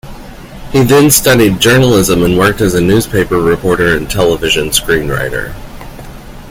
He then studied journalism and worked as a newspaper reporter and television screenwriter.